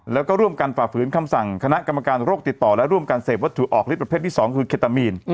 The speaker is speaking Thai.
แล้วก็ร่วมกันฝ่าฝืนคำสั่งคณะกรรมการโรคติดต่อและร่วมการเสพวัตถุออกฤทธประเภทที่๒คือเคตามีน